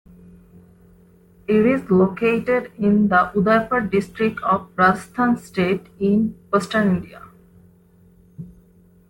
It is located in the Udaipur District of Rajasthan State in western India.